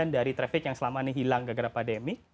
dari traffic yang selama ini hilang gara gara pandemi